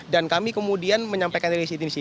dan kami kemudian menyampaikan diri sini